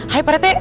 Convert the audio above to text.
hai pak rt